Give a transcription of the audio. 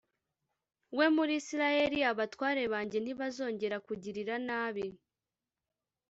we muri isirayeli abatware banjye ntibazongera kugirira nabi